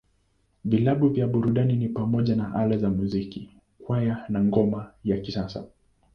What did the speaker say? Vilabu vya burudani ni pamoja na Ala za Muziki, Kwaya, na Ngoma ya Kisasa.